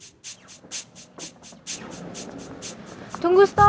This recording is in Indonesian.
artinya orang lain akan terpaksa lemak